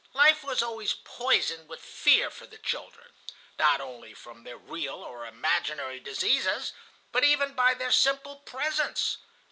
Life was always poisoned with fear for the children, not only from their real or imaginary diseases, but even by their simple presence.